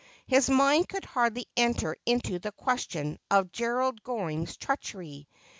His mind could hardly enter into the question of Gerald Goring's treachery.